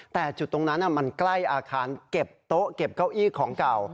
แต่จุดตรงนั้นมันใกล้อาคารเก็บโต๊ะเก็บเก้าอี้ของเก่า